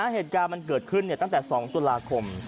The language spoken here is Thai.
เหตุการณ์มันเกิดขึ้นตั้งแต่๒ตุลาคม